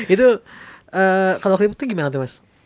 itu kalau crypto gimana tuh mas